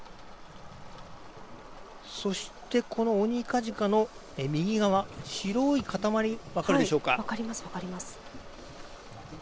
そして、このオニカジカの右側白い塊、分かるでしょうか。